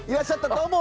どうも。